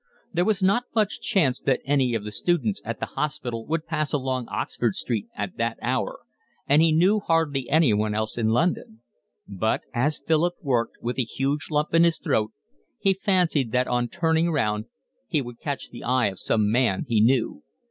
There was not much chance that any of the students at the hospital would pass along Oxford Street at that hour, and he knew hardly anyone else in London; but as Philip worked, with a huge lump in his throat, he fancied that on turning round he would catch the eye of some man he knew.